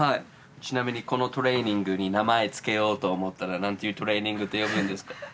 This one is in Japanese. ちなみにこのトレーニングに名前付けようと思ったら何ていうトレーニングって呼ぶんですか？